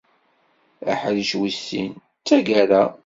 Aḥric wis sin, d taggara.